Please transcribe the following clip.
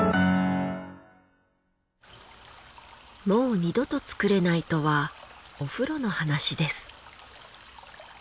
もう二度と造れないとはお風呂の話です。